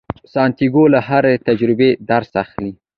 سانتیاګو له هرې تجربې درس اخلي.